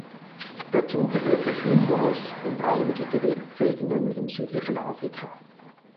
Dazu gehört der Fynbos und einige Gebirgsgegenden im südlichen Afrika.